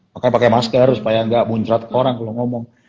pakai pakai masker supaya gak muncrat orang kalau ngomong